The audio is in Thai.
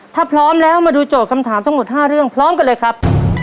ถ้าพร้อมแล้วมาดูโจทย์คำถามทั้งหมด๕เรื่องพร้อมกันเลยครับ